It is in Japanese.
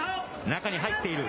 中に入っている。